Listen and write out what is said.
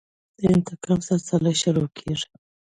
د انتقام سلسله شروع کېږي.